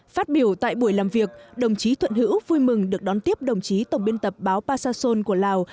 phát biểu tại buổi làm việc đồng chí thuận hữu vui mừng được đón tiếp đồng chí tổng biên tập báo pa sa son của lào